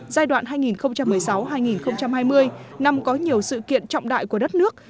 giai đoạn hai nghìn một mươi sáu hai nghìn hai mươi năm có nhiều sự kiện trọng đại của đất nước